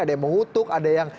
ada yang mengutuk ada yang